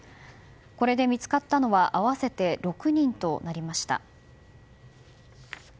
これで見つかったのは合わせて６人となりました。